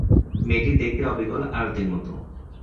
মেয়েটি দেখতে অবিকল আরতির মতো।